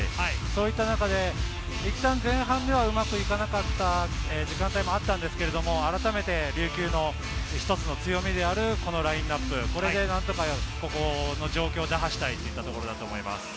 そういった中でいったん前半ではうまくいかなかった時間帯もあったんですけれども、あらためて琉球の一つの強みであるこのラインナップ、これで何とかこの状況を打破したいというところだと思います。